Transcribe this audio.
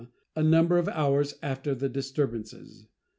a number of hours after the disturbances.